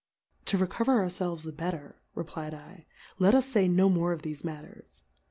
To recover our felves the better, re^lfdlj let us fay no rnore of thefe Matters.